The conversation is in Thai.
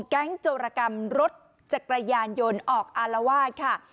แก๊งเจาะระกรรมรถแกระยานยนต์ออกอารวาสค่ะ